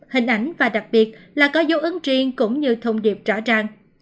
hình ảnh và đặc biệt là có dấu ấn riêng cũng như thông điệp rõ ràng